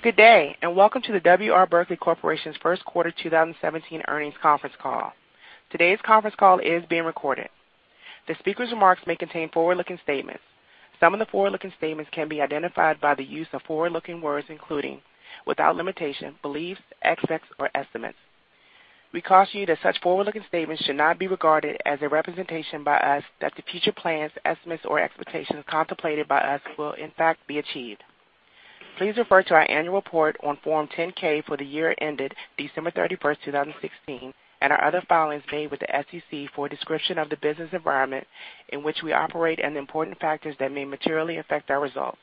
Good day. Welcome to the W. R. Berkley Corporation's first quarter 2017 earnings conference call. Today's conference call is being recorded. The speaker's remarks may contain forward-looking statements. Some of the forward-looking statements can be identified by the use of forward-looking words, including, without limitation, beliefs, expects, or estimates. We caution you that such forward-looking statements should not be regarded as a representation by us that the future plans, estimates, or expectations contemplated by us will in fact be achieved. Please refer to our annual report on Form 10-K for the year ended December 31st, 2016, and our other filings made with the SEC for a description of the business environment in which we operate and the important factors that may materially affect our results.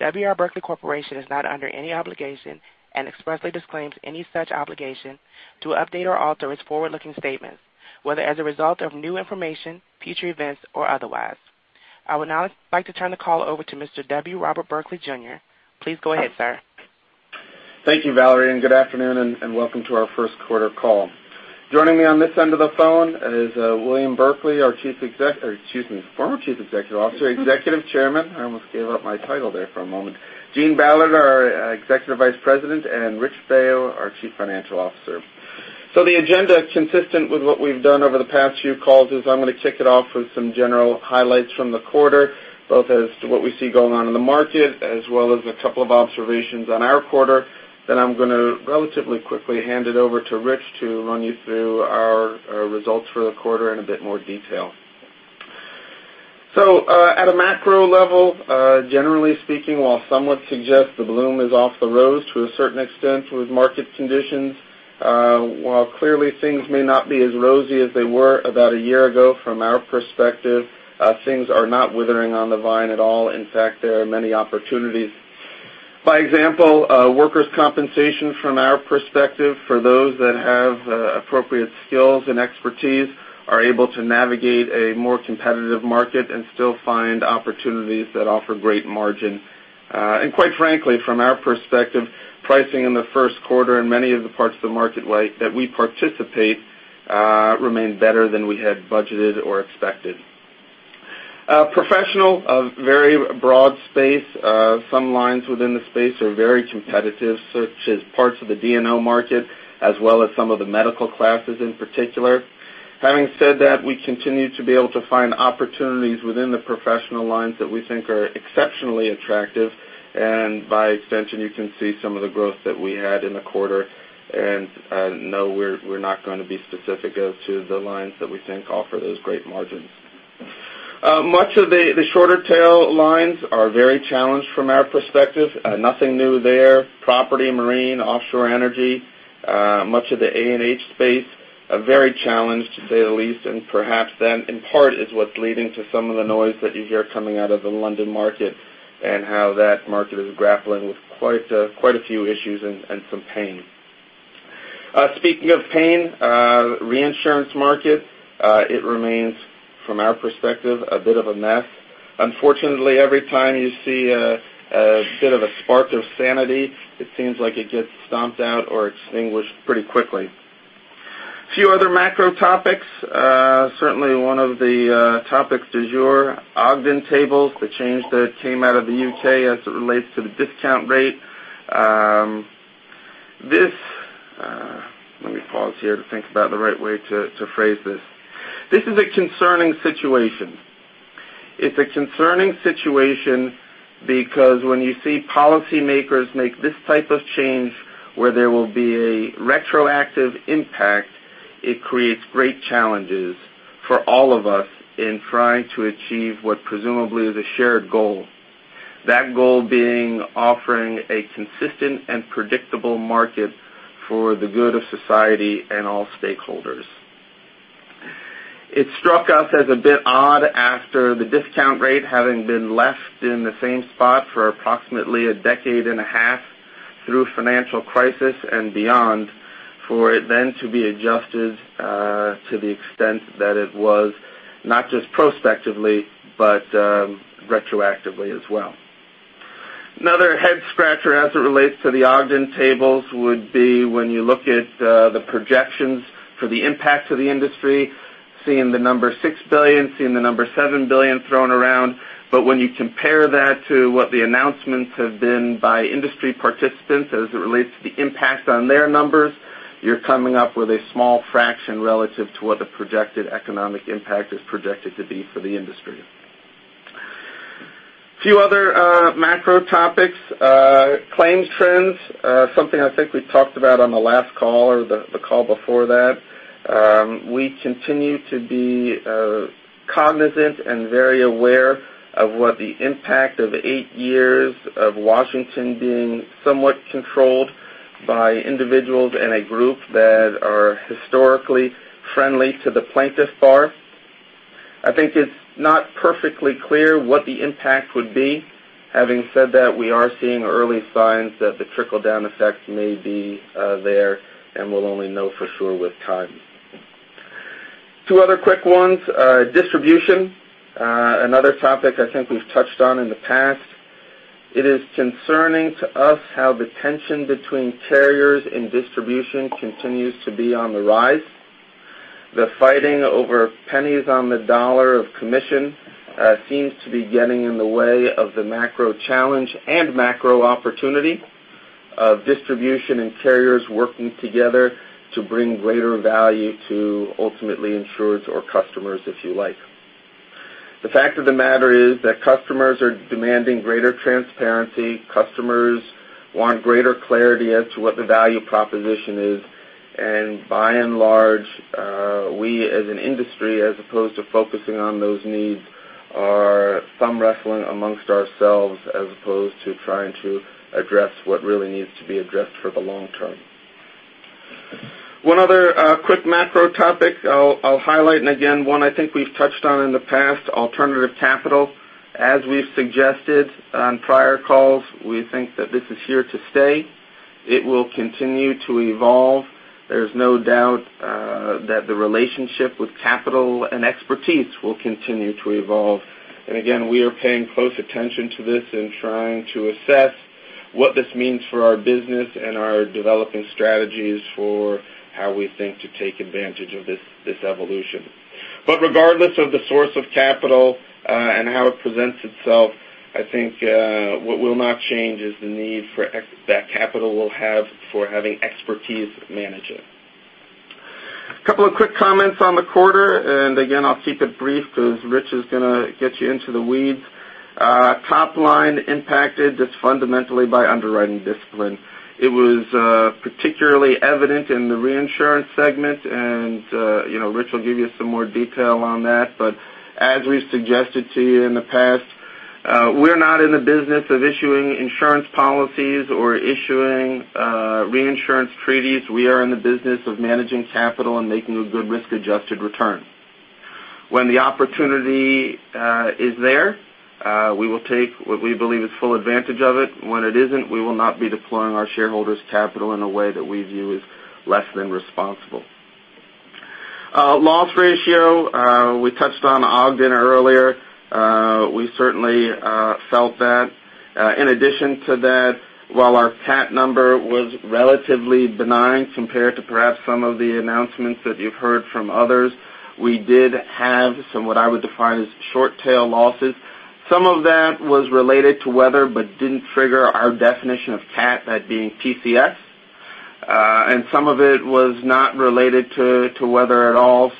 W. R. Berkley Corporation is not under any obligation and expressly disclaims any such obligation to update or alter its forward-looking statements, whether as a result of new information, future events, or otherwise. I would now like to turn the call over to Mr. W. Robert Berkley Jr. Please go ahead, sir. Thank you, Valerie. Good afternoon. Welcome to our first quarter call. Joining me on this end of the phone is William Berkley, our excuse me, former Chief Executive Officer, Executive Chairman. I almost gave up my title there for a moment. Gene Ballard, our Executive Vice President, and Rich Baio, our Chief Financial Officer. The agenda is consistent with what we've done over the past few calls, is I'm going to kick it off with some general highlights from the quarter, both as to what we see going on in the market, as well as a couple of observations on our quarter. I'm going to relatively quickly hand it over to Rich to run you through our results for the quarter in a bit more detail. At a macro level, generally speaking, while some would suggest the bloom is off the rose to a certain extent with market conditions, while clearly things may not be as rosy as they were about a year ago, from our perspective, things are not withering on the vine at all. In fact, there are many opportunities. By example, workers' compensation from our perspective, for those that have appropriate skills and expertise, are able to navigate a more competitive market and still find opportunities that offer great margin. Quite frankly, from our perspective, pricing in the first quarter in many of the parts of the market that we participate remained better than we had budgeted or expected. Professional, a very broad space. Some lines within the space are very competitive, such as parts of the D&O market, as well as some of the medical classes in particular. Having said that, we continue to be able to find opportunities within the professional lines that we think are exceptionally attractive, and by extension, you can see some of the growth that we had in the quarter. No, we're not going to be specific as to the lines that we think offer those great margins. Much of the shorter tail lines are very challenged from our perspective. Nothing new there. Property, marine, offshore energy, much of the A&H space, very challenged, to say the least. Perhaps then, in part, is what's leading to some of the noise that you hear coming out of the London market and how that market is grappling with quite a few issues and some pain. Speaking of pain, reinsurance market, it remains, from our perspective, a bit of a mess. Unfortunately, every time you see a bit of a spark of sanity, it seems like it gets stomped out or extinguished pretty quickly. Few other macro topics. One of the topics du jour, Ogden tables, the change that came out of the U.K. as it relates to the discount rate. Let me pause here to think about the right way to phrase this. This is a concerning situation. It's a concerning situation because when you see policymakers make this type of change where there will be a retroactive impact, it creates great challenges for all of us in trying to achieve what presumably is a shared goal. That goal being offering a consistent and predictable market for the good of society and all stakeholders. It struck us as a bit odd after the discount rate having been left in the same spot for approximately a decade and a half through financial crisis and beyond, for it then to be adjusted to the extent that it was, not just prospectively, but retroactively as well. Another head-scratcher as it relates to the Ogden tables would be when you look at the projections for the impact to the industry, seeing the number $6 billion, seeing the number $7 billion thrown around. But when you compare that to what the announcements have been by industry participants as it relates to the impact on their numbers, you're coming up with a small fraction relative to what the projected economic impact is projected to be for the industry. Few other macro topics. Claims trends, something I think we talked about on the last call or the call before that. We continue to be cognizant and very aware of what the impact of eight years of Washington being somewhat controlled by individuals in a group that are historically friendly to the plaintiffs bar. I think it's not perfectly clear what the impact would be. We are seeing early signs that the trickle-down effect may be there, and we'll only know for sure with time. Two other quick ones. Distribution, another topic I think we've touched on in the past. It is concerning to us how the tension between carriers and distribution continues to be on the rise. The fighting over pennies on the dollar of commission seems to be getting in the way of the macro challenge and macro opportunity of distribution and carriers working together to bring greater value to ultimately insurers or customers, if you like. The fact of the matter is that customers are demanding greater transparency. Customers want greater clarity as to what the value proposition is. By and large, we, as an industry, as opposed to focusing on those needs, are thumb wrestling amongst ourselves as opposed to trying to address what really needs to be addressed for the long term. One other quick macro topic I'll highlight, and again, one I think we've touched on in the past, alternative capital. As we've suggested on prior calls, we think that this is here to stay. It will continue to evolve. There's no doubt that the relationship with capital and expertise will continue to evolve. Again, we are paying close attention to this and trying to assess what this means for our business and our developing strategies for how we think to take advantage of this evolution. Regardless of the source of capital, and how it presents itself, I think, what will not change is the need for that capital will have for having expertise manage it. Couple of quick comments on the quarter, again, I'll keep it brief because Rich is going to get you into the weeds. Top line impacted just fundamentally by underwriting discipline. It was particularly evident in the reinsurance segment and Rich will give you some more detail on that. As we've suggested to you in the past, we're not in the business of issuing insurance policies or issuing reinsurance treaties. We are in the business of managing capital and making a good risk-adjusted return. When the opportunity is there, we will take what we believe is full advantage of it. When it isn't, we will not be deploying our shareholders' capital in a way that we view as less than responsible. Loss ratio, we touched on Ogden earlier. We certainly felt that. In addition to that, while our CAT number was relatively benign compared to perhaps some of the announcements that you've heard from others, we did have some, what I would define as short tail losses. Some of that was related to weather but didn't trigger our definition of CAT, that being PCS. Some of it was not related to weather at all.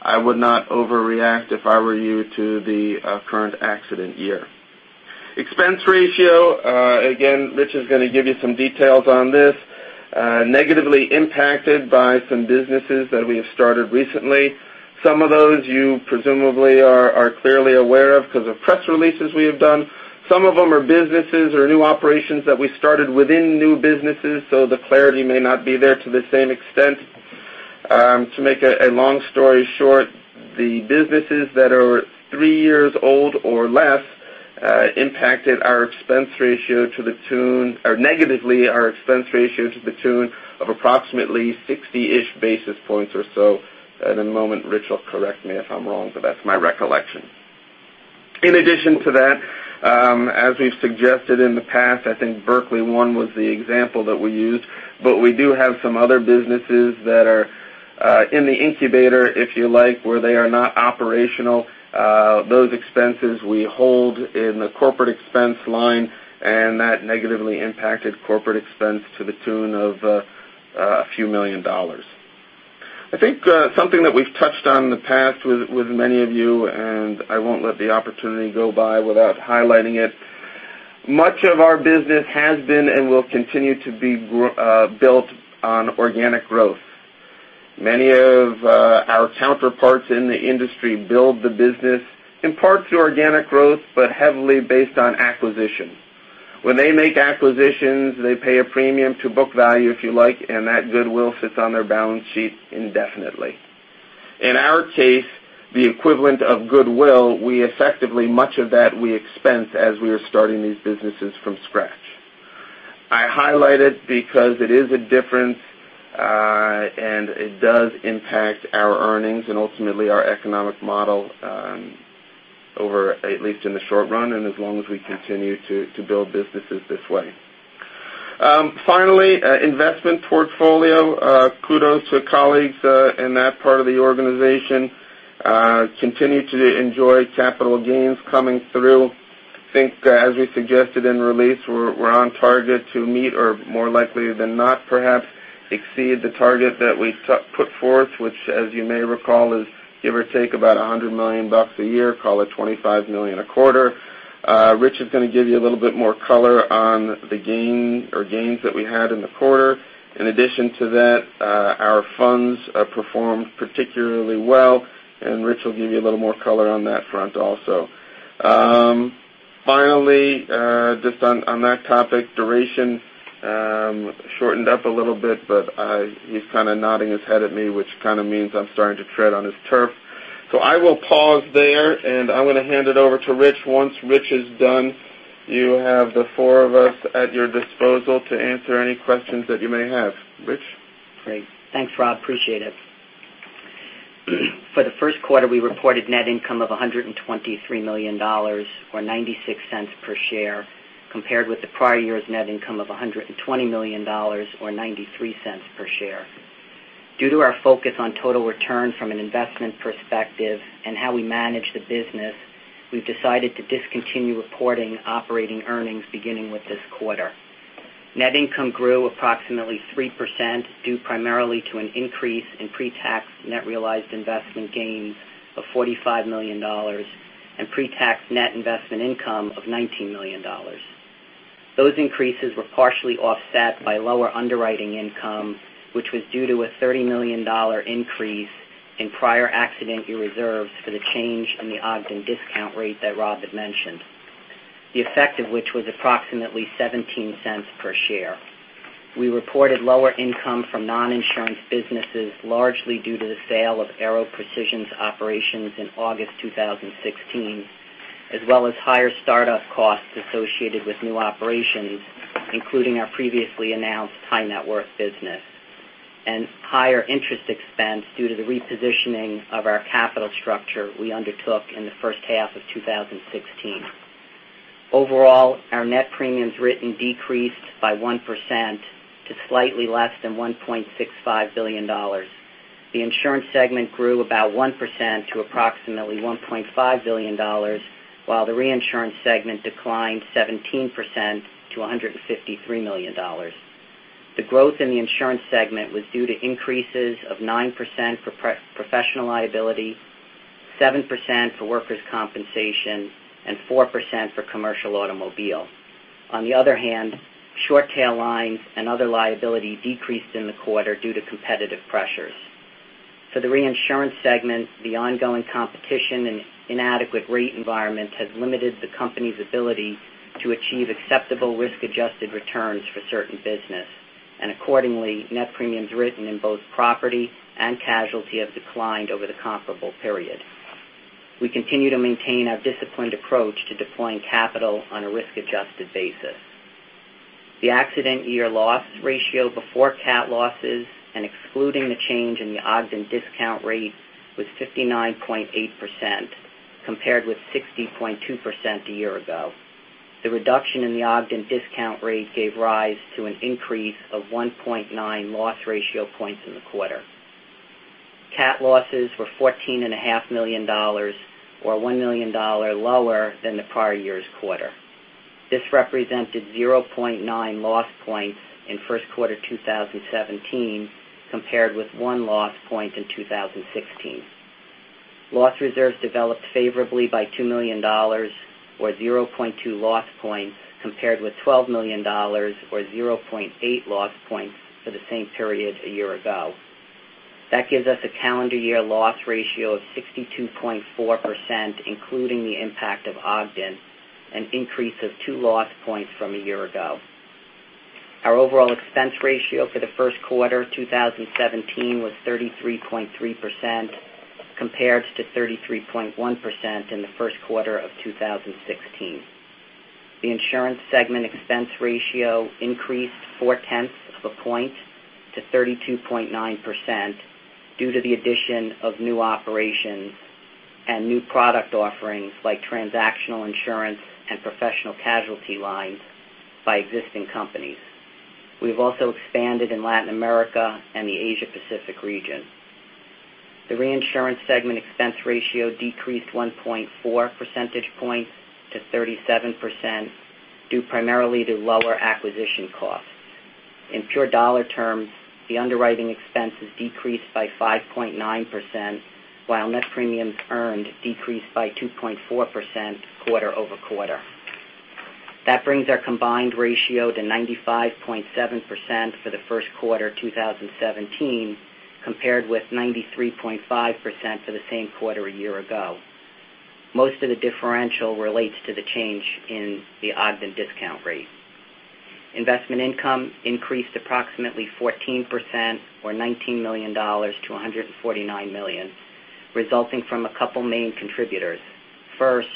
I would not overreact if I were you to the current accident year. Expense ratio, again, Rich is going to give you some details on this. Negatively impacted by some businesses that we have started recently. Some of those you presumably are clearly aware of because of press releases we have done. Some of them are businesses or new operations that we started within new businesses, the clarity may not be there to the same extent. To make a long story short, the businesses that are three years old or less impacted our expense ratio to the tune-- or negatively our expense ratio to the tune of approximately 60-ish basis points or so. In a moment, Rich will correct me if I'm wrong, but that's my recollection. In addition to that, as we've suggested in the past, I think Berkley One was the example that we used, but we do have some other businesses that are in the incubator, if you like, where they are not operational. Those expenses we hold in the corporate expense line, that negatively impacted corporate expense to the tune of a few million dollars. I think, something that we've touched on in the past with many of you. I won't let the opportunity go by without highlighting it. Much of our business has been and will continue to be built on organic growth. Many of our counterparts in the industry build the business in part through organic growth, but heavily based on acquisition. When they make acquisitions, they pay a premium to book value, if you like, and that goodwill sits on their balance sheet indefinitely. In our case, the equivalent of goodwill, we effectively much of that we expense as we are starting these businesses from scratch. I highlight it because it is a difference, and it does impact our earnings and ultimately our economic model over at least in the short run and as long as we continue to build businesses this way. Finally, investment portfolio. Kudos to colleagues in that part of the organization. Continue to enjoy capital gains coming through. I think as we suggested in release, we're on target to meet or more likely than not perhaps exceed the target that we put forth, which as you may recall, is give or take about $100 million a year, call it $25 million a quarter. Rich is going to give you a little bit more color on the gain or gains that we had in the quarter. In addition to that, our funds performed particularly well. Rich will give you a little more color on that front also. Finally, just on that topic, duration shortened up a little bit, but he's kind of nodding his head at me, which kind of means I'm starting to tread on his turf. I will pause there. I'm going to hand it over to Rich. Once Rich is done, you have the four of us at your disposal to answer any questions that you may have. Rich? Great. Thanks, Rob. Appreciate it. For the first quarter, we reported net income of $123 million or $0.96 per share. Compared with the prior year's net income of $120 million, or $0.93 per share. Due to our focus on total return from an investment perspective and how we manage the business, we've decided to discontinue reporting operating earnings beginning with this quarter. Net income grew approximately 3%, due primarily to an increase in pre-tax net realized investment gains of $45 million and pre-tax net investment income of $19 million. Those increases were partially offset by lower underwriting income, which was due to a $30 million increase in prior accident year reserves for the change in the Ogden discount rate that Rob had mentioned, the effect of which was approximately $0.17 per share. We reported lower income from non-insurance businesses, largely due to the sale of Aero Precision's operations in August 2016, as well as higher startup costs associated with new operations, including our previously announced high net worth business, and higher interest expense due to the repositioning of our capital structure we undertook in the first half of 2016. Overall, our net premiums written decreased by 1% to slightly less than $1.65 billion. The insurance segment grew about 1% to approximately $1.5 billion, while the reinsurance segment declined 17% to $153 million. The growth in the insurance segment was due to increases of 9% for professional liability, 7% for workers' compensation, and 4% for commercial automobile. On the other hand, short tail lines and other liability decreased in the quarter due to competitive pressures. For the reinsurance segment, the ongoing competition and inadequate rate environment has limited the company's ability to achieve acceptable risk-adjusted returns for certain business. Accordingly, net premiums written in both property and casualty have declined over the comparable period. We continue to maintain our disciplined approach to deploying capital on a risk-adjusted basis. The accident year loss ratio before CAT losses and excluding the change in the Ogden discount rate was 59.8%, compared with 60.2% a year ago. The reduction in the Ogden discount rate gave rise to an increase of 1.9 loss ratio points in the quarter. CAT losses were $14.5 million, or $1 million lower than the prior year's quarter. This represented 0.9 loss points in first quarter 2017 compared with one loss point in 2016. Loss reserves developed favorably by $2 million, or 0.2 loss points, compared with $12 million or 0.8 loss points for the same period a year ago. That gives us a calendar year loss ratio of 62.4%, including the impact of Ogden, an increase of two loss points from a year ago. Our overall expense ratio for the first quarter 2017 was 33.3%, compared to 33.1% in the first quarter of 2016. The insurance segment expense ratio increased 4/10 of a point to 32.9% due to the addition of new operations and new product offerings like transactional insurance and professional casualty lines by existing companies. We've also expanded in Latin America and the Asia Pacific region. The reinsurance segment expense ratio decreased 1.4 percentage points to 37%, due primarily to lower acquisition costs. In pure dollar terms, the underwriting expenses decreased by 5.9%, while net premiums earned decreased by 2.4% quarter-over-quarter. That brings our combined ratio to 95.7% for the first quarter 2017, compared with 93.5% for the same quarter a year ago. Most of the differential relates to the change in the Ogden discount rate. Investment income increased approximately 14%, or $19 million to $149 million, resulting from a couple main contributors. First,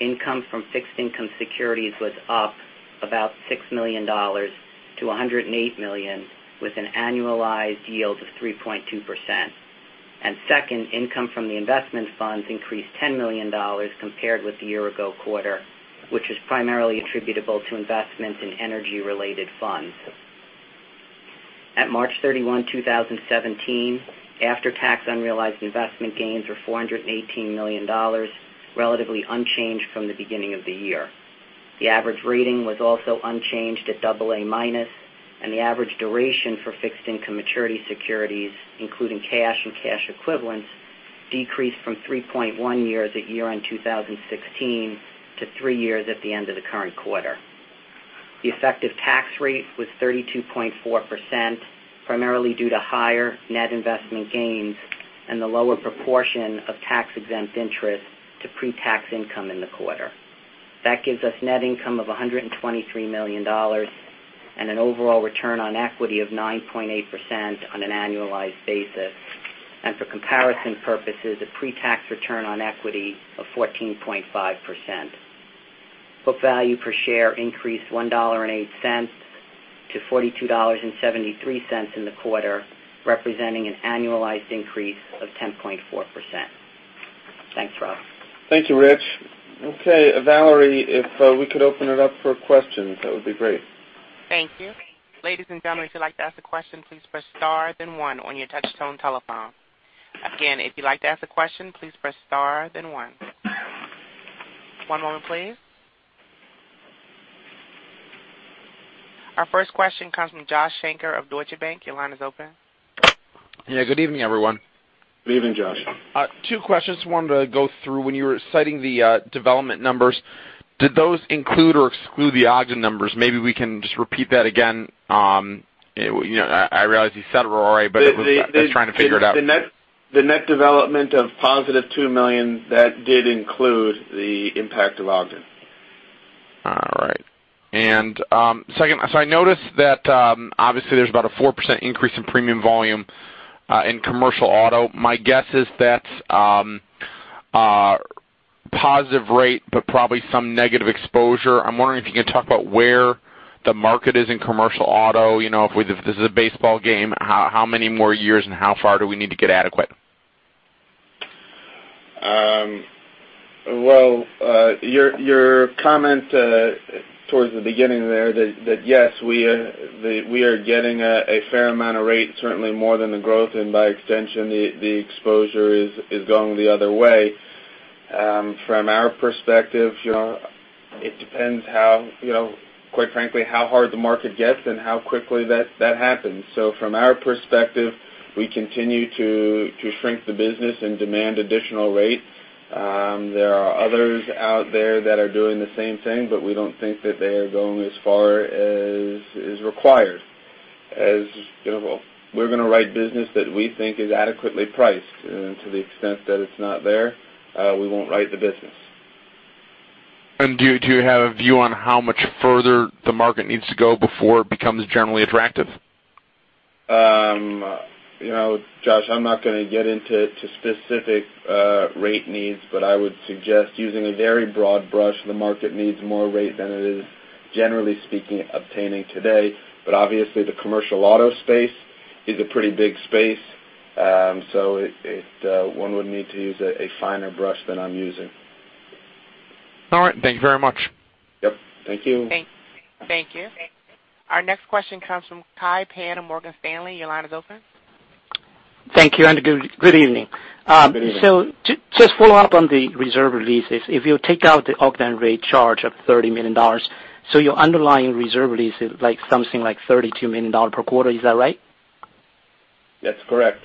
income from fixed income securities was up about $6 million to $108 million, with an annualized yield of 3.2%. Second, income from the investment funds increased $10 million compared with the year-ago quarter, which is primarily attributable to investments in energy-related funds. At March 31, 2017, after-tax unrealized investment gains were $418 million, relatively unchanged from the beginning of the year. The average rating was also unchanged at double A minus, and the average duration for fixed income maturity securities, including cash and cash equivalents, decreased from 3.1 years at year-end 2016 to three years at the end of the current quarter. The effective tax rate was 32.4%, primarily due to higher net investment gains and the lower proportion of tax-exempt interest to pre-tax income in the quarter. That gives us net income of $123 million and an overall return on equity of 9.8% on an annualized basis. For comparison purposes, a pre-tax return on equity of 14.5%. Book value per share increased $1.08 to $42.73 in the quarter, representing an annualized increase of 10.4%. Thanks, Rob. Thank you, Rich. Okay, Valerie, if we could open it up for questions, that would be great. Thank you. Ladies and gentlemen, if you'd like to ask a question, please press star then one on your touchtone telephone. Again, if you'd like to ask a question, please press star then one. One moment please. Our first question comes from Joshua Shanker of Deutsche Bank. Your line is open. Yeah, good evening, everyone. Good evening, Josh. Two questions wanted to go through. When you were citing the development numbers, did those include or exclude the Ogden tables? Maybe we can just repeat that again. I realize you said it already, but just trying to figure it out. The net development of positive $2 million, that did include the impact of Ogden. All right. Second, I noticed that obviously there's about a 4% increase in premium volume in commercial auto. My guess is that's positive rate, but probably some negative exposure. I'm wondering if you can talk about where the market is in commercial auto, if this is a baseball game, how many more years and how far do we need to get adequate? Well, your comment towards the beginning there that, yes, we are getting a fair amount of rate, certainly more than the growth, and by extension, the exposure is going the other way. From our perspective, it depends, quite frankly, how hard the market gets and how quickly that happens. From our perspective, we continue to shrink the business and demand additional rate. There are others out there that are doing the same thing, but we don't think that they are going as far as is required. We're going to write business that we think is adequately priced. To the extent that it's not there, we won't write the business. Do you have a view on how much further the market needs to go before it becomes generally attractive? Josh, I'm not going to get into specific rate needs, but I would suggest using a very broad brush. The market needs more rate than it is, generally speaking, obtaining today. Obviously the commercial auto space is a pretty big space. One would need to use a finer brush than I'm using. All right. Thank you very much. Yep. Thank you. Thank you. Our next question comes from Kai Pan of Morgan Stanley. Your line is open. Thank you, good evening. Good evening. Just follow up on the reserve releases. If you take out the Ogden rate charge of $30 million, your underlying reserve release is something like $32 million per quarter, is that right? That's correct.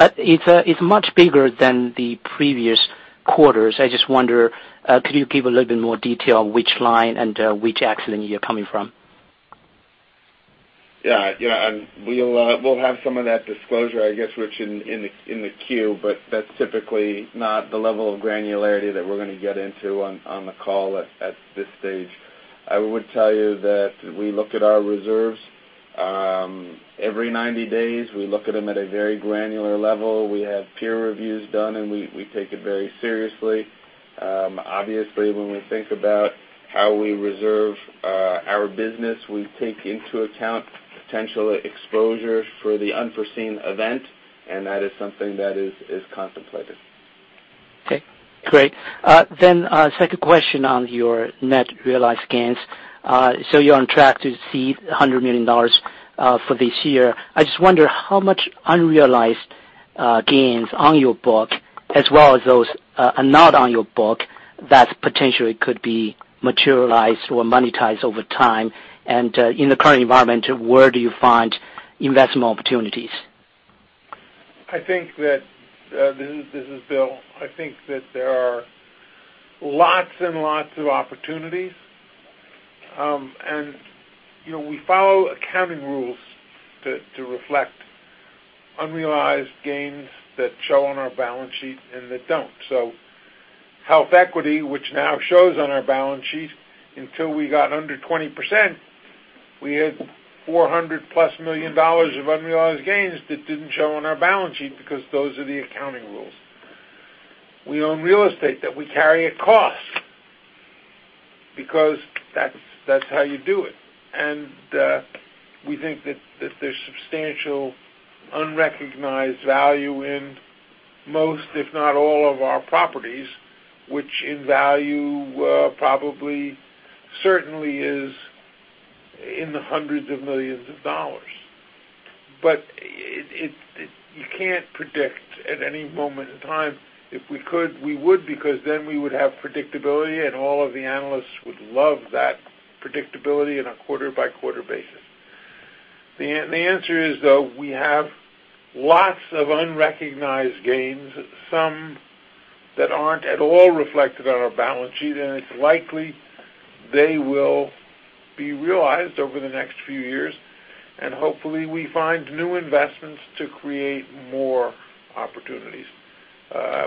It's much bigger than the previous quarters. I just wonder, could you give a little bit more detail which line and which accident you're coming from? Yeah. We'll have some of that disclosure, I guess, Rich, in the Q, but that's typically not the level of granularity that we're going to get into on the call at this stage. I would tell you that we look at our reserves every 90 days. We look at them at a very granular level. We have peer reviews done, and we take it very seriously. Obviously, when we think about how we reserve our business, we take into account potential exposure for the unforeseen event, and that is something that is contemplated. Okay, great. Second question on your net realized gains. You're on track to see $100 million for this year. I just wonder how much unrealized gains on your book, as well as those are not on your book, that potentially could be materialized or monetized over time. In the current environment, where do you find investment opportunities? This is Bill. I think that there are lots and lots of opportunities. We follow accounting rules to reflect unrealized gains that show on our balance sheet and that don't. HealthEquity, which now shows on our balance sheet, until we got under 20%, we had $400-plus million of unrealized gains that didn't show on our balance sheet because those are the accounting rules. We own real estate that we carry at cost because that's how you do it. We think that there's substantial unrecognized value in most, if not all of our properties, which in value probably certainly is in the hundreds of millions of dollars. You can't predict at any moment in time. If we could, we would, because then we would have predictability, and all of the analysts would love that predictability on a quarter-by-quarter basis. The answer is, though, we have lots of unrecognized gains, some that aren't at all reflected on our balance sheet, it's likely they will be realized over the next few years, hopefully we find new investments to create more opportunities.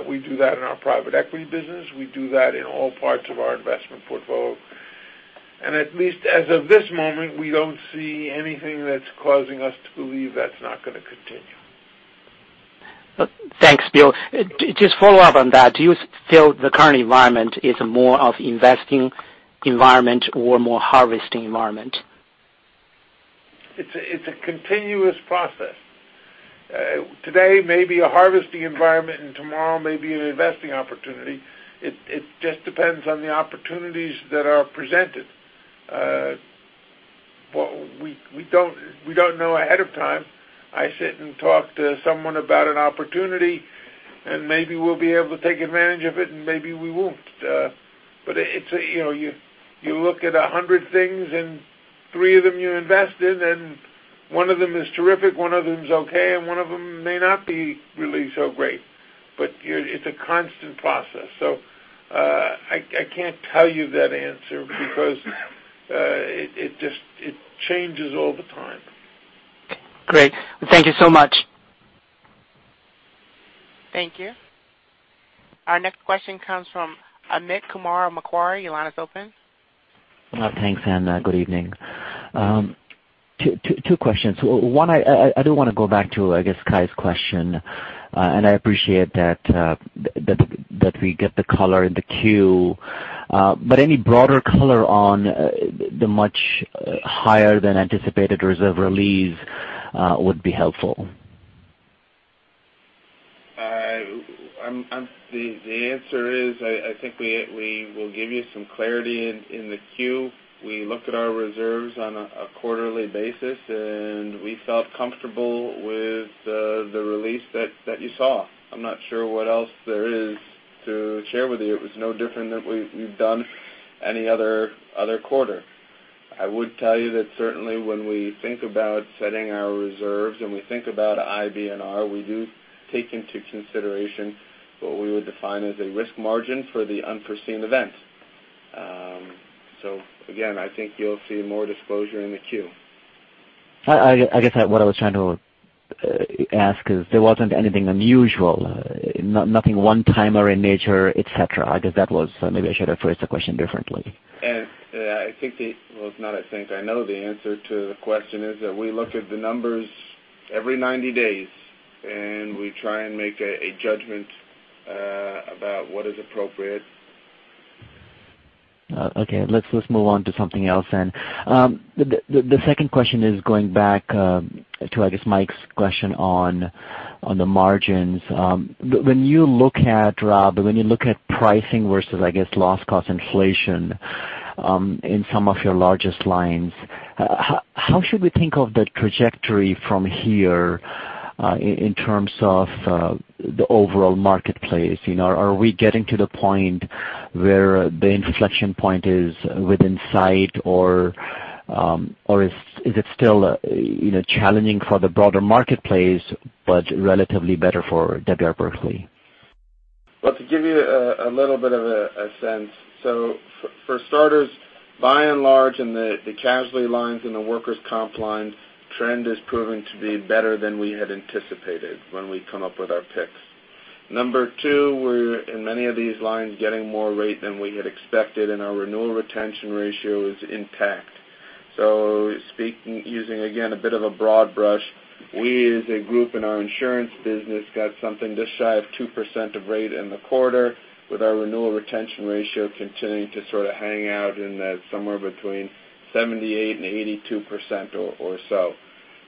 We do that in our private equity business. We do that in all parts of our investment portfolio. At least as of this moment, we don't see anything that's causing us to believe that's not going to continue. Thanks, Bill. Just follow up on that. Do you feel the current environment is more of investing environment or more harvesting environment? It's a continuous process. Today may be a harvesting environment, and tomorrow may be an investing opportunity. It just depends on the opportunities that are presented. We don't know ahead of time. I sit and talk to someone about an opportunity, and maybe we'll be able to take advantage of it, and maybe we won't. You look at 100 things, and three of them you invest in, and one of them is terrific, one of them is okay, and one of them may not be really so great. It's a constant process. I can't tell you that answer because it changes all the time. Great. Thank you so much. Thank you. Our next question comes from Amit Kumar of Macquarie. Your line is open. Thanks, Anna. Good evening. Two questions. One, I do want to go back to, I guess, Kai's question. I appreciate that we get the color and the queue. Any broader color on the much higher than anticipated reserve release would be helpful. The answer is, I think we will give you some clarity in the queue. We look at our reserves on a quarterly basis, and we felt comfortable with the release that you saw. I'm not sure what else there is to share with you. It was no different than we've done any other quarter. I would tell you that certainly when we think about setting our reserves and we think about IBNR, we do take into consideration what we would define as a risk margin for the unforeseen event. Again, I think you'll see more disclosure in the queue. I guess what I was trying to ask is there wasn't anything unusual, nothing one-timer in nature, et cetera. I guess that was maybe I should have phrased the question differently. I think well, it's not I think I know the answer to the question is that we look at the numbers every 90 days, and we try and make a judgment about what is appropriate. Okay, let's move on to something else. The second question is going back to, I guess, Kai Pan's question on the margins. When you look at pricing versus, I guess, loss cost inflation in some of your largest lines, how should we think of the trajectory from here in terms of the overall marketplace? Are we getting to the point where the inflection point is within sight, or is it still challenging for the broader marketplace but relatively better for W. R. Berkley? Well, to give you a little bit of a sense, for starters, by and large, in the casualty lines and the workers' comp lines, trend is proving to be better than we had anticipated when we come up with our picks. Number 2, we're, in many of these lines, getting more rate than we had expected, and our renewal retention ratio is intact. Speaking, using, again, a bit of a broad brush, we as a group in our insurance business got something just shy of 2% of rate in the quarter with our renewal retention ratio continuing to sort of hang out in that somewhere between 78% and 82% or so.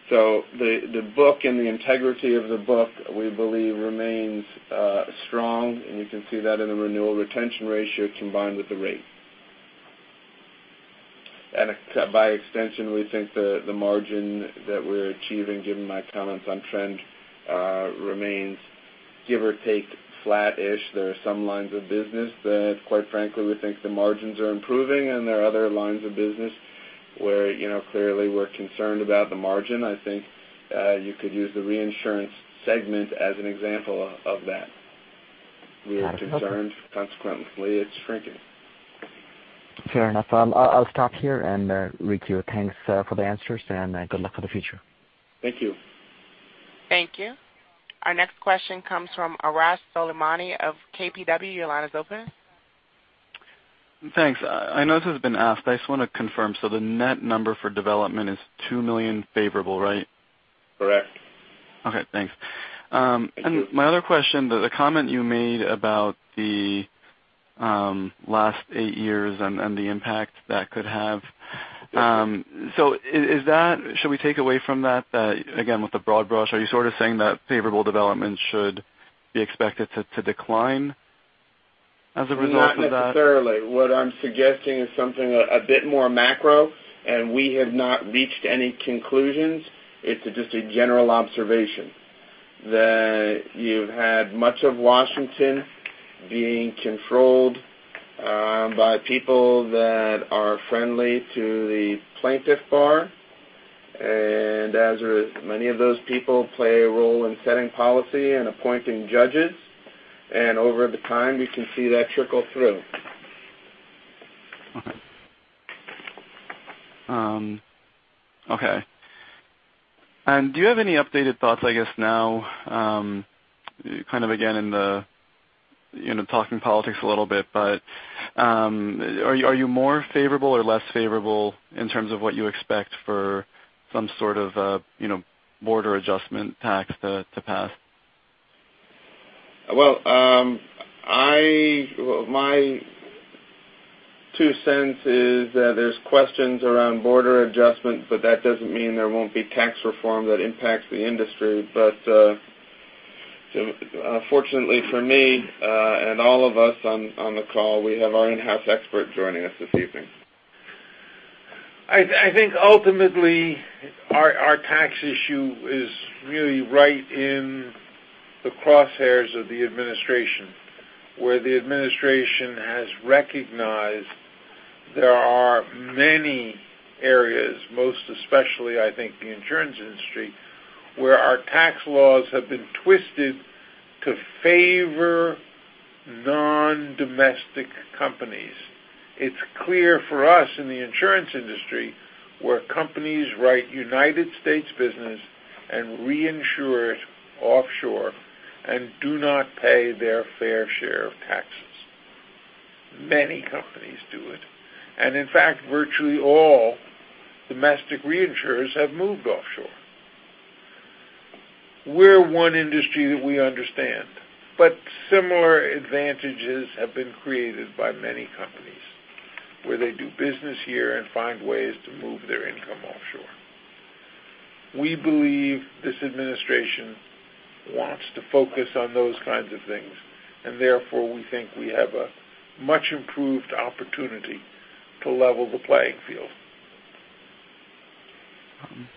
The book and the integrity of the book, we believe remains strong, and you can see that in the renewal retention ratio combined with the rate. By extension, we think the margin that we're achieving, given my comments on trend, remains give or take, flat-ish. There are some lines of business that, quite frankly, we think the margins are improving, and there are other lines of business where clearly we're concerned about the margin. I think you could use the reinsurance segment as an example of that. We are concerned. Consequently, it's shrinking. Fair enough. I'll stop here, Rich. Thanks for the answers, and good luck for the future. Thank you. Thank you. Our next question comes from Arash Soleimani of KBW. Your line is open. Thanks. I know this has been asked. I just want to confirm. The net number for development is $2 million favorable, right? Correct. Okay, thanks. Thank you. My other question, the comment you made about the last eight years and the impact that could have. Should we take away from that, again, with the broad brush, are you sort of saying that favorable development should be expected to decline as a result of that? Not necessarily. What I'm suggesting is something a bit more macro, we have not reached any conclusions. It's just a general observation that you've had much of Washington being controlled by people that are friendly to the plaintiff bar, as many of those people play a role in setting policy and appointing judges, over the time, you can see that trickle through. Okay. Do you have any updated thoughts, I guess now, kind of, again, talking politics a little bit. Are you more favorable or less favorable in terms of what you expect for some sort of border adjustment tax to pass? Well, my two cents is that there's questions around border adjustments, that doesn't mean there won't be tax reform that impacts the industry. Fortunately for me, and all of us on the call, we have our in-house expert joining us this evening. I think ultimately our tax issue is really right in the crosshairs of the administration, where the administration has recognized there are many areas, most especially, I think, the insurance industry, where our tax laws have been twisted to favor non-domestic companies. It's clear for us in the insurance industry, where companies write United States business and reinsure it offshore and do not pay their fair share of taxes. Many companies do it, in fact, virtually all domestic reinsurers have moved offshore. We're one industry that we understand, similar advantages have been created by many companies, where they do business here and find ways to move their income offshore. We believe this administration wants to focus on those kinds of things, therefore, we think we have a much-improved opportunity to level the playing field.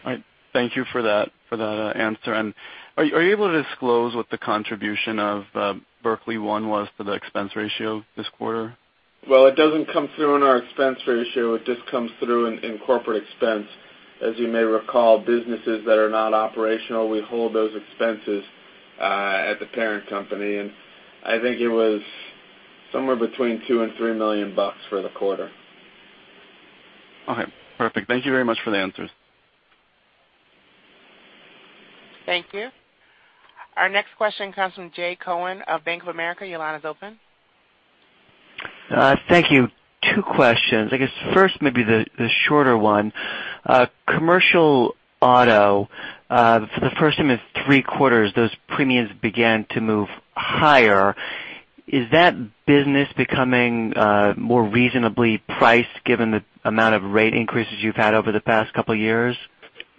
All right. Thank you for that answer. Are you able to disclose what the contribution of Berkley One was for the expense ratio this quarter? Well, it doesn't come through in our expense ratio. It just comes through in corporate expense. As you may recall, businesses that are not operational, we hold those expenses at the parent company, I think it was somewhere between $2 million and $3 million for the quarter. Okay, perfect. Thank you very much for the answers. Thank you. Our next question comes from Jay Cohen of Bank of America. Your line is open. Thank you. Two questions. I guess first, maybe the shorter one. Commercial auto, for the first time in three quarters, those premiums began to move higher. Is that business becoming more reasonably priced given the amount of rate increases you've had over the past couple of years?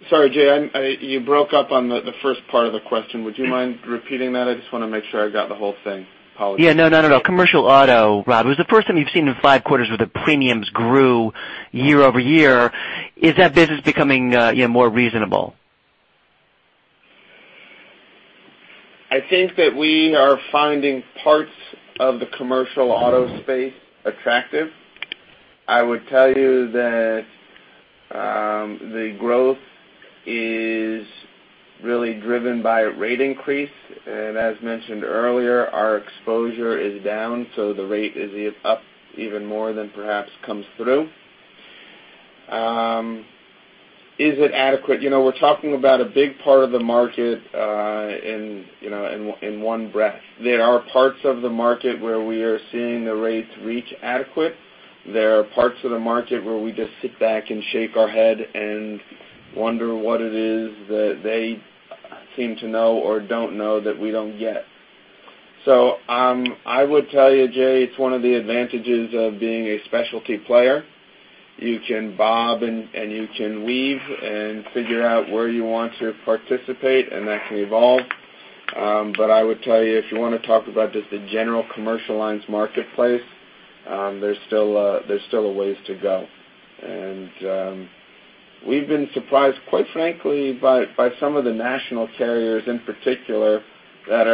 Sorry, Jay, you broke up on the first part of the question. Would you mind repeating that? I just want to make sure I got the whole thing. Apologies. Yeah. No, commercial auto, Rob. It was the first time you've seen in five quarters where the premiums grew year-over-year. Is that business becoming more reasonable? I think that we are finding parts of the commercial auto space attractive. I would tell you that the growth is really driven by rate increase. As mentioned earlier, our exposure is down, so the rate is up even more than perhaps comes through. Is it adequate? We're talking about a big part of the market in one breath. There are parts of the market where we are seeing the rates reach adequate. There are parts of the market where we just sit back and shake our head and wonder what it is that they seem to know or don't know that we don't yet. I would tell you, Jay, it's one of the advantages of being a specialty player. You can bob, and you can weave and figure out where you want to participate, and that can evolve. I would tell you, if you want to talk about just the general commercial lines marketplace, there's still a ways to go. We've been surprised, quite frankly, by some of the national carriers in particular that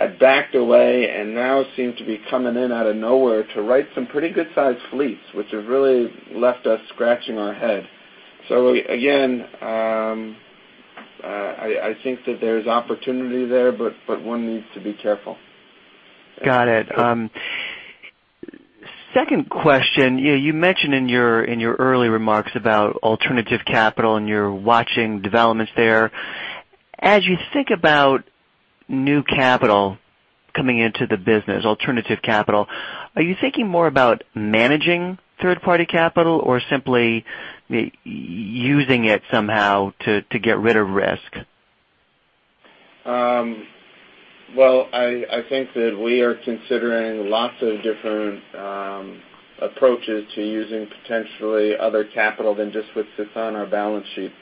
had backed away and now seem to be coming in out of nowhere to write some pretty good-sized fleets, which have really left us scratching our head. Again, I think that there's opportunity there, but one needs to be careful. Got it. Second question. You mentioned in your early remarks about alternative capital, and you're watching developments there. As you think about new capital coming into the business, alternative capital, are you thinking more about managing third-party capital or simply using it somehow to get rid of risk? Well, I think that we are considering lots of different approaches to using potentially other capital than just what sits on our balance sheet.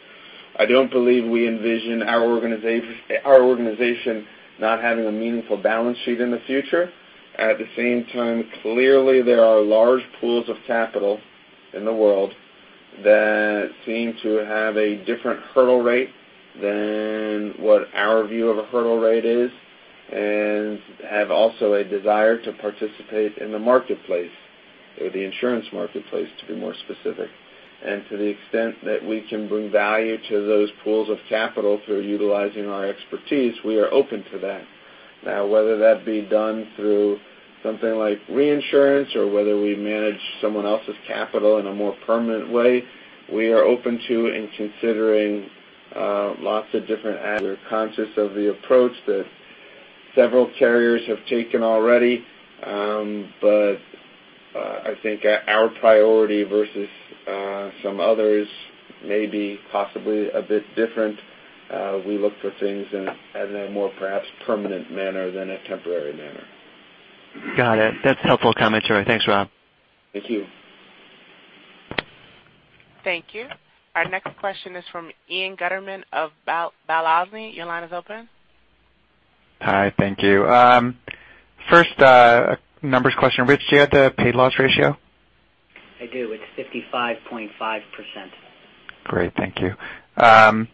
I don't believe we envision our organization not having a meaningful balance sheet in the future. At the same time, clearly, there are large pools of capital in the world that seem to have a different hurdle rate than what our view of a hurdle rate is, and have also a desire to participate in the marketplace or the insurance marketplace, to be more specific. To the extent that we can bring value to those pools of capital through utilizing our expertise, we are open to that. Now, whether that be done through something like reinsurance or whether we manage someone else's capital in a more permanent way, we are open to and considering lots of different avenues. We're conscious of the approach that several carriers have taken already. I think our priority versus some others may be possibly a bit different. We look for things in a more perhaps permanent manner than a temporary manner. Got it. That's helpful commentary. Thanks, Rob. Thank you. Thank you. Our next question is from Ian Gutterman of Balyasny. Your line is open. Hi, thank you. First, a numbers question. Rich, do you have the paid loss ratio? I do. It's 55.5%. Great, thank you. Rob,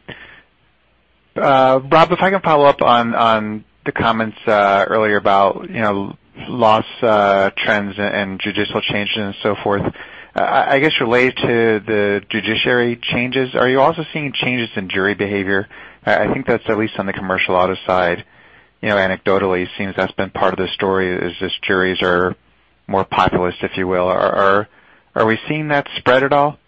if I can follow up on the comments earlier about loss trends and judicial changes and so forth. I guess related to the judiciary changes, are you also seeing changes in jury behavior? I think that's at least on the commercial auto side, anecdotally seems that's been part of the story is juries are more populist, if you will. Are we seeing that spread at all?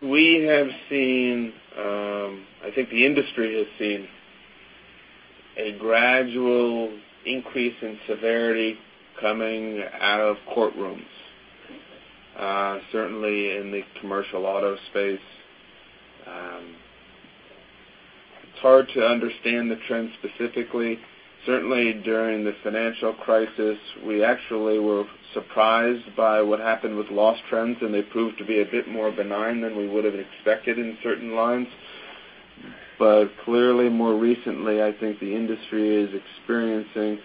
We have seen, I think the industry has seen a gradual increase in severity coming out of courtrooms, certainly in the commercial auto space. It's hard to understand the trend specifically. Certainly, during the financial crisis, we actually were surprised by what happened with loss trends, and they proved to be a bit more benign than we would have expected in certain lines. Clearly more recently, I think the industry is experiencing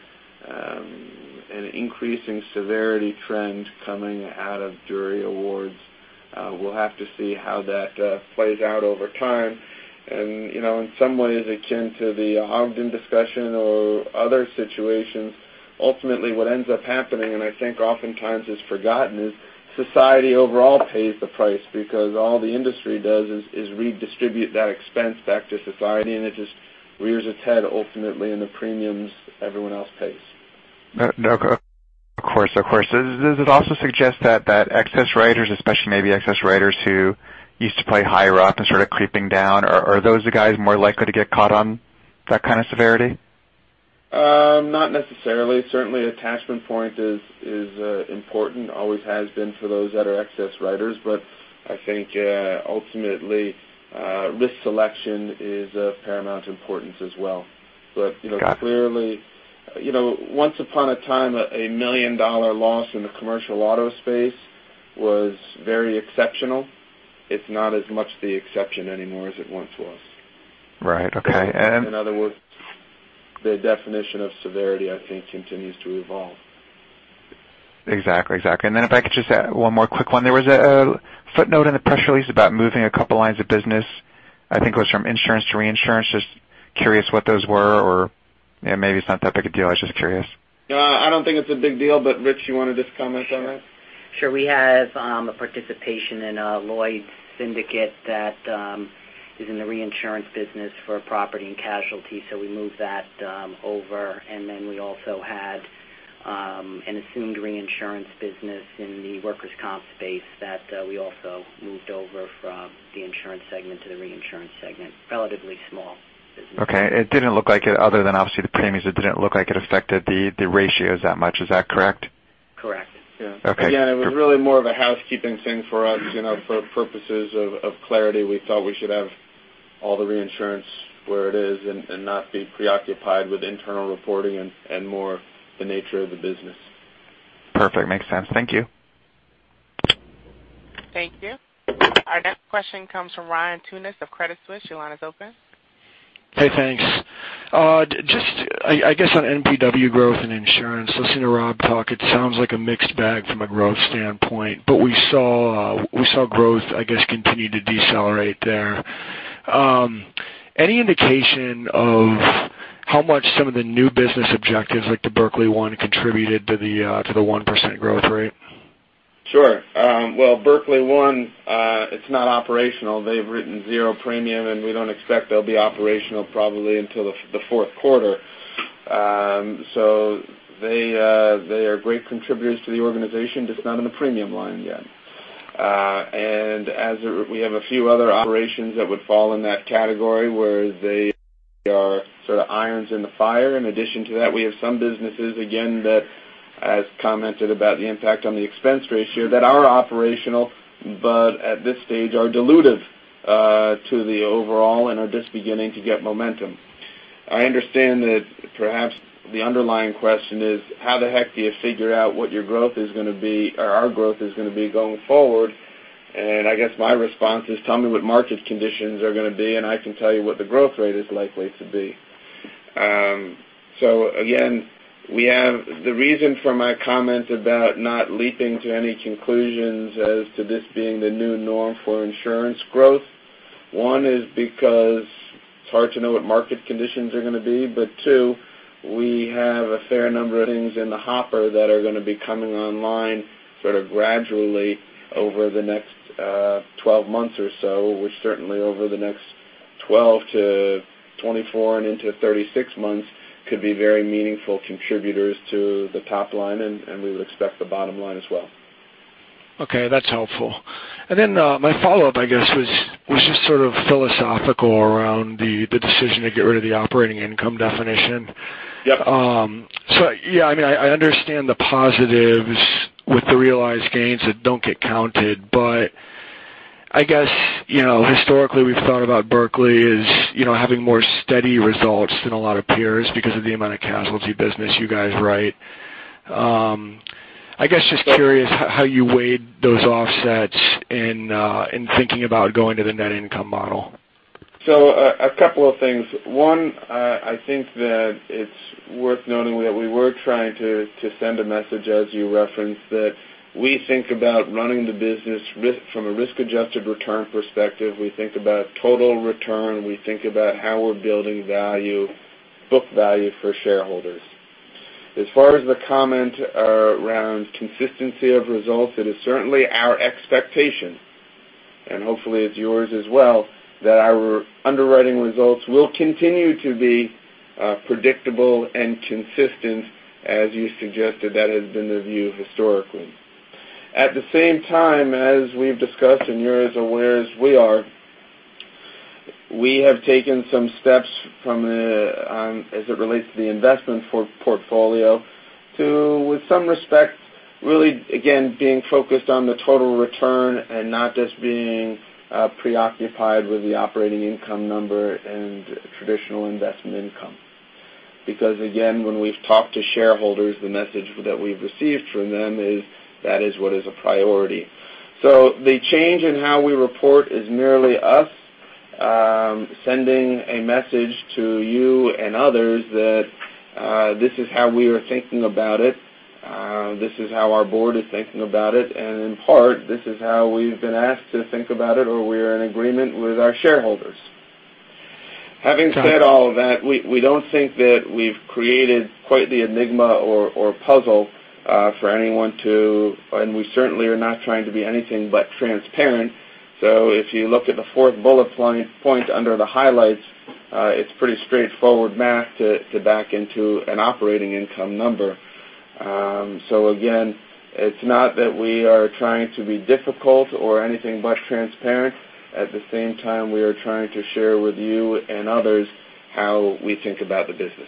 an increasing severity trend coming out of jury awards. We'll have to see how that plays out over time. In some ways, akin to the Ogden discussion or other situations, ultimately what ends up happening, and I think oftentimes is forgotten, is society overall pays the price because all the industry does is redistribute that expense back to society, and it just rears its head ultimately in the premiums everyone else pays. Of course. Does it also suggest that excess writers, especially maybe excess writers who used to play higher up and sort of creeping down, are those the guys more likely to get caught on that kind of severity? Not necessarily. Certainly, attachment point is important, always has been for those that are excess writers. I think ultimately, risk selection is of paramount importance as well. Got it. Clearly, once upon a time, a million-dollar loss in the commercial auto space was very exceptional. It's not as much the exception anymore as it once was. Right. Okay. In other words, the definition of severity, I think, continues to evolve. Exactly. If I could just add one more quick one. There was a footnote in the press release about moving a couple lines of business. I think it was from insurance to reinsurance. Just curious what those were, or maybe it's not that big a deal. I was just curious. No, I don't think it's a big deal, but Rich, you want to just comment on that? Sure. We have a participation in a Lloyd's syndicate that is in the reinsurance business for property and casualty, so we moved that over. Then we also had an assumed reinsurance business in the workers' comp space that we also moved over from the insurance segment to the reinsurance segment. Relatively small businesses. Okay. Other than obviously the premiums, it didn't look like it affected the ratios that much. Is that correct? Correct. Yeah. Okay. Again, it was really more of a housekeeping thing for us. For purposes of clarity, we thought we should have all the reinsurance where it is and not be preoccupied with internal reporting and more the nature of the business. Perfect. Makes sense. Thank you. Thank you. Our next question comes from Ryan Tunis of Credit Suisse. Your line is open. Hey, thanks. Just I guess on NPW growth and insurance, listening to Rob talk, it sounds like a mixed bag from a growth standpoint. We saw growth, I guess, continue to decelerate there. Any indication of how much some of the new business objectives, like the Berkley One, contributed to the 1% growth rate? Sure. Well, Berkley One, it's not operational. They've written zero premium, and we don't expect they'll be operational probably until the fourth quarter. They are great contributors to the organization, just not in the premium line yet. As we have a few other operations that would fall in that category, where they are sort of irons in the fire. In addition to that, we have some businesses, again, that as commented about the impact on the expense ratio, that are operational, but at this stage are dilutive to the overall and are just beginning to get momentum. I understand that perhaps the underlying question is how the heck do you figure out what your growth is going to be or our growth is going to be going forward? I guess my response is tell me what market conditions are going to be, and I can tell you what the growth rate is likely to be. Again, the reason for my comment about not leaping to any conclusions as to this being the new norm for insurance growth, one is because it's hard to know what market conditions are going to be, two, we have a fair number of things in the hopper that are going to be coming online sort of gradually over the next 12 months or so, which certainly over the next 12-24 and into 36 months could be very meaningful contributors to the top line, and we would expect the bottom line as well. Okay, that's helpful. My follow-up, I guess, was just sort of philosophical around the decision to get rid of the operating income definition. Yep. Yeah, I understand the positives with the realized gains that don't get counted, I guess historically, we've thought about Berkley as having more steady results than a lot of peers because of the amount of casualty business you guys write. I guess, just curious how you weighed those offsets in thinking about going to the net income model. A couple of things. One, I think that it's worth noting that we were trying to send a message, as you referenced, that we think about running the business from a risk-adjusted return perspective. We think about total return. We think about how we're building book value for shareholders. As far as the comment around consistency of results, it is certainly our expectation, and hopefully it's yours as well, that our underwriting results will continue to be predictable and consistent as you suggested that has been the view historically. At the same time, as we've discussed, and you're as aware as we are, we have taken some steps as it relates to the investment portfolio to, with some respect, really again, being focused on the total return and not just being preoccupied with the operating income number and traditional investment income. Again, when we've talked to shareholders, the message that we've received from them is that is what is a priority. The change in how we report is merely us sending a message to you and others that this is how we are thinking about it, this is how our board is thinking about it, and in part, this is how we've been asked to think about it, or we're in agreement with our shareholders. Having said all of that, we don't think that we've created quite the enigma or puzzle for anyone to, and we certainly are not trying to be anything but transparent. If you look at the fourth bullet point under the highlights, it's pretty straightforward math to back into an operating income number. Again, it's not that we are trying to be difficult or anything but transparent. At the same time, we are trying to share with you and others how we think about the business.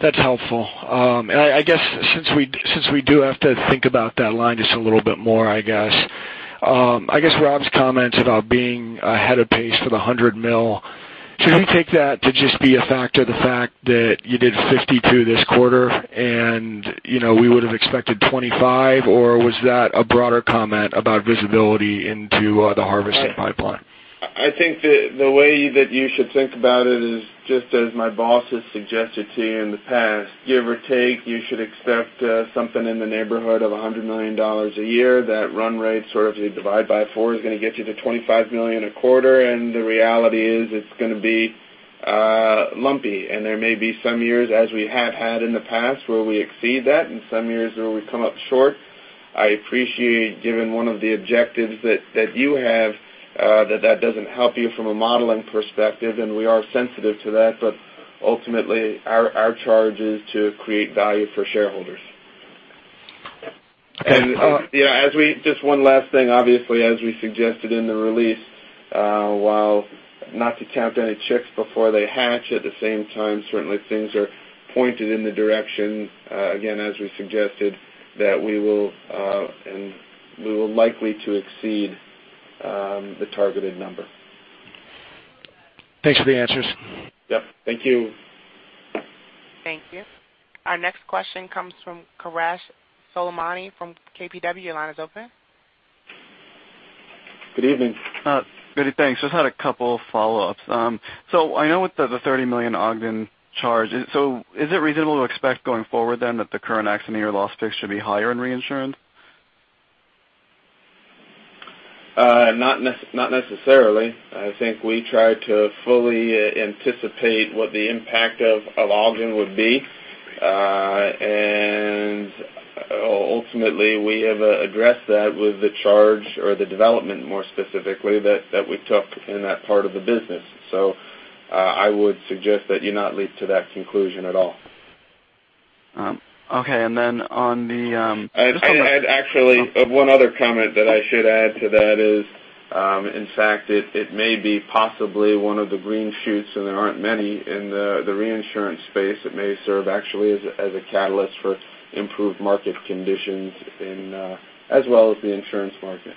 That's helpful. I guess since we do have to think about that line just a little bit more, I guess Rob's comments about being ahead of pace for the $100 mil, should we take that to just be a factor, the fact that you did 52 this quarter and we would've expected 25? Or was that a broader comment about visibility into the harvesting pipeline? I think that the way that you should think about it is just as my boss has suggested to you in the past. Give or take, you should expect something in the neighborhood of $100 million a year. That run rate, if you divide by 4, is going to get you to $25 million a quarter. The reality is it's going to be lumpy, and there may be some years, as we have had in the past, where we exceed that, and some years where we come up short. I appreciate given one of the objectives that you have, that that doesn't help you from a modeling perspective, and we are sensitive to that. Ultimately, our charge is to create value for shareholders. And- Yeah. Just one last thing. Obviously, as we suggested in the release, while not to count any chicks before they hatch, at the same time, certainly things are pointed in the direction, again, as we suggested, that we will likely to exceed the targeted number. Thanks for the answers. Yep. Thank you. Thank you. Our next question comes from Arash Soleimani from KBW. Your line is open. Good evening. Good evening. Thanks. Just had a couple follow-ups. I know with the $30 million Ogden charge, is it reasonable to expect going forward that the current accident year loss picks should be higher in reinsurance? Not necessarily. I think we try to fully anticipate what the impact of Ogden would be. Ultimately, we have addressed that with the charge or the development, more specifically, that we took in that part of the business. I would suggest that you not leap to that conclusion at all. Okay. Then. Actually, one other comment that I should add to that is, in fact, it may be possibly one of the green shoots, and there aren't many in the reinsurance space. It may serve actually as a catalyst for improved market conditions as well as the insurance market.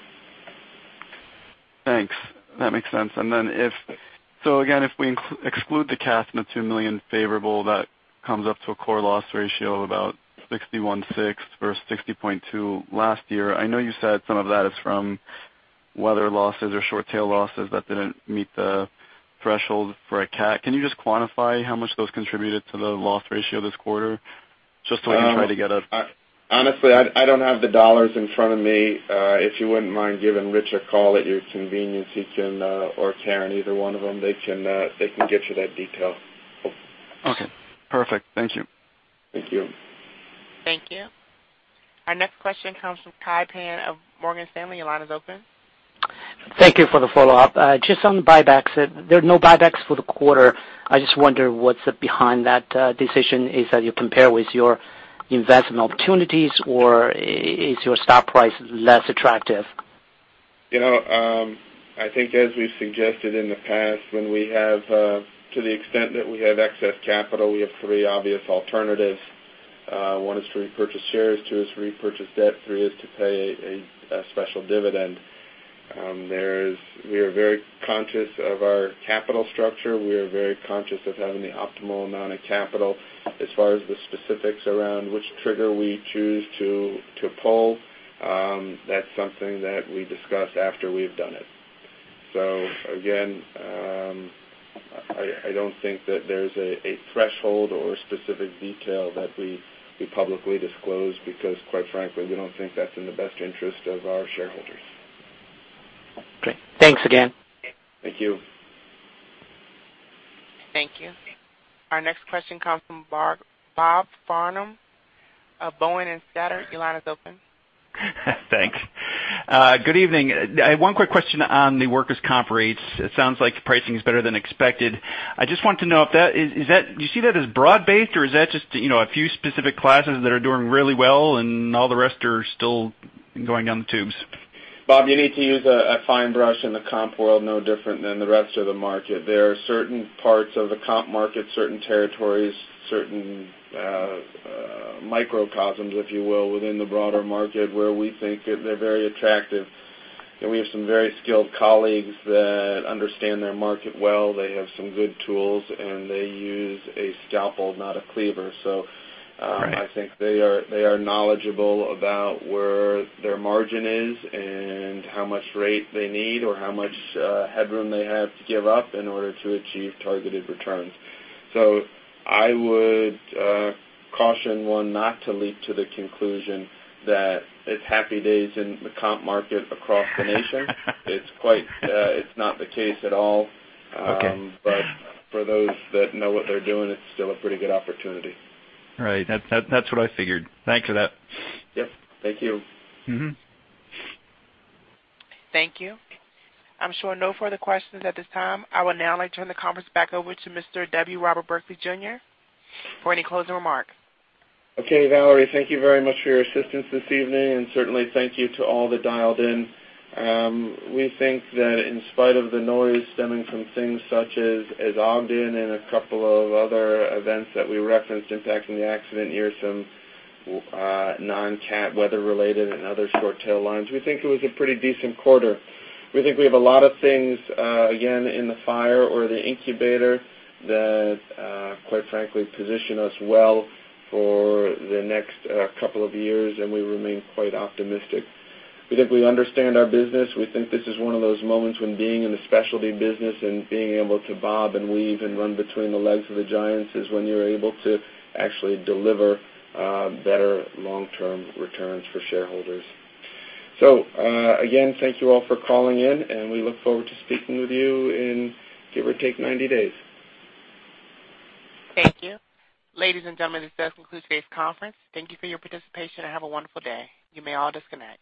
Thanks. That makes sense. Then again, if we exclude the CAT net $2 million favorable, that comes up to a core loss ratio of about 61.6% versus 60.2% last year. I know you said some of that is from weather losses or short-tail losses that didn't meet the threshold for a CAT. Can you just quantify how much those contributed to the loss ratio this quarter. Honestly, I don't have the dollars in front of me. If you wouldn't mind giving Rich a call at your convenience, or Karen, either one of them, they can get you that detail. Okay, perfect. Thank you. Thank you. Thank you. Our next question comes from Kai Pan of Morgan Stanley. Your line is open. Thank you for the follow-up. Just on buybacks, there are no buybacks for the quarter. I just wonder what's behind that decision. Is that you compare with your investment opportunities, or is your stock price less attractive? I think as we've suggested in the past, to the extent that we have excess capital, we have three obvious alternatives. One is to repurchase shares, two is to repurchase debt, three is to pay a special dividend. We are very conscious of our capital structure. We are very conscious of having the optimal amount of capital. As far as the specifics around which trigger we choose to pull, that's something that we discuss after we've done it. Again, I don't think that there's a threshold or specific detail that we publicly disclose because quite frankly, we don't think that's in the best interest of our shareholders. Okay. Thanks again. Thank you. Thank you. Our next question comes from Bob Farnham of Boenning & Scattergood. Your line is open. Thanks. Good evening. I have one quick question on the workers' comp rates. It sounds like pricing is better than expected. I just want to know, do you see that as broad-based, or is that just a few specific classes that are doing really well and all the rest are still going down the tubes? Bob, you need to use a fine brush in the comp world, no different than the rest of the market. There are certain parts of the comp market, certain territories, certain microcosms, if you will, within the broader market, where we think that they're very attractive. We have some very skilled colleagues that understand their market well. They have some good tools, and they use a scalpel, not a cleaver. Right I think they are knowledgeable about where their margin is and how much rate they need, or how much headroom they have to give up in order to achieve targeted returns. I would caution one not to leap to the conclusion that it's happy days in the comp market across the nation. It's not the case at all. Okay. For those that know what they're doing, it's still a pretty good opportunity. Right. That's what I figured. Thanks for that. Yep. Thank you. Thank you. I'm showing no further questions at this time. I would now like to turn the conference back over to Mr. W. Robert Berkley Jr. for any closing remarks. Okay, Valerie, thank you very much for your assistance this evening, and certainly thank you to all that dialed in. We think that in spite of the noise stemming from things such as Ogden and a couple of other events that we referenced impacting the accident year, some non-CAT weather related and other short tail lines, we think it was a pretty decent quarter. We think we have a lot of things, again, in the fire or the incubator that, quite frankly, position us well for the next couple of years, and we remain quite optimistic. We think we understand our business. We think this is one of those moments when being in the specialty business and being able to bob and weave and run between the legs of the giants is when you're able to actually deliver better long-term returns for shareholders. Again, thank you all for calling in, and we look forward to speaking with you in give or take 90 days. Thank you. Ladies and gentlemen, this does conclude today's conference. Thank you for your participation and have a wonderful day. You may all disconnect.